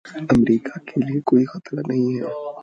امریکا کے لیے کوئی خطرہ نہیں ہیں